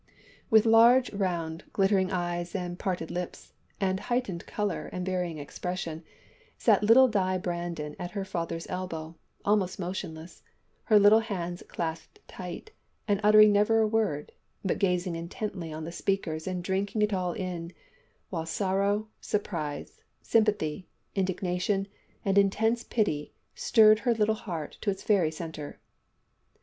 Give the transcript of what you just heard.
'" With large, round, glittering eyes and parted lips, and heightened colour and varying expression, sat little Di Brandon at her father's elbow, almost motionless, her little hands clasped tight, and uttering never a word, but gazing intently at the speakers and drinking it all in, while sorrow, surprise, sympathy, indignation, and intense pity stirred her little heart to its very centre.